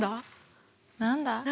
何だ？